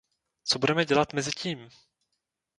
Co budeme dělat mezi tím?